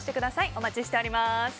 お待ちしております。